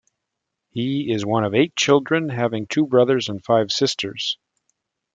He is one of eight children, having two brothers and five sisters.